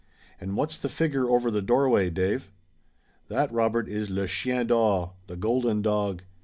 And what's the figure over the doorway, Dave?" "That, Robert, is Le Chien d'Or, The Golden Dog.